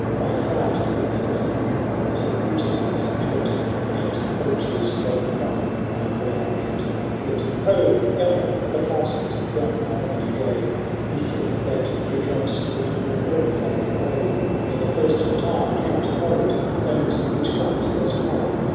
My heart beats as thick as a fugitire's tread. And cold dews drop from my brow and my head,— Ho I Gunnar, the flasket yon almoner gave ; He said that three drops would recall from the grave. For the first time Count Harold owns leedb ciaft has power.